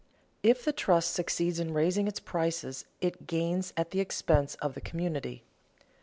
_If the trust succeeds in raising its prices it gains at the expense of the community.